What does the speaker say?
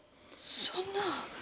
そんな！